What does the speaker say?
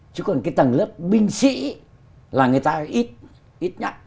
chứ còn cái tầng lớp binh sĩ là người ta ít nhất